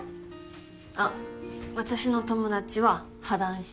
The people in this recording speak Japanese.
あっ私の友達は破談した。